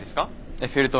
エッフェル塔？